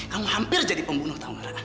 kamu hampir jadi pembunuh